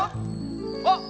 あっ！